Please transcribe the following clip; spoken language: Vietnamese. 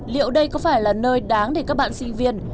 liệu đây có phải là nơi đáng để các bạn sinh viên